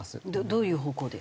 どういう方向で？